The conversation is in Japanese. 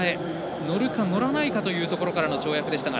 乗るか乗らないかというところからの跳躍でしたが。